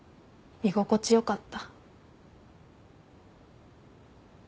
居心地良かった。